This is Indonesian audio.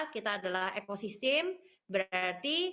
kita adalah ekosistem berarti